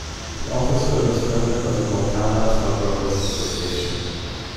He also served as President of the Montana Stockgrower's Association.